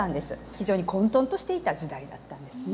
非常に混とんとしていた時代だったんですね。